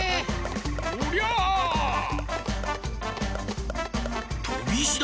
おりゃあ！とびいしだ！